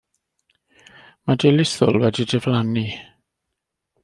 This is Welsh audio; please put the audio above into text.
Mae Dilys Ddwl wedi diflannu.